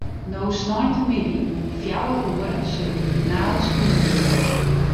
No sneintemiddei om fjouwer oere sil de finale spile wurde.